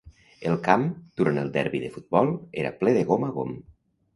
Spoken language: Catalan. El camp, durant el derbi de futbol, era ple de gom a gom.